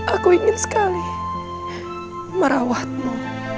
aku ingin sekali merawatmu